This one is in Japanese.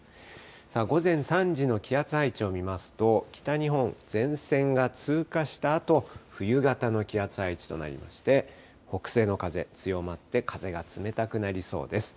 さあ、午前３時の気圧配置を見ますと、北日本、前線が通過したあと、冬型の気圧配置となりまして、北西の風、強まって、風が冷たくなりそうです。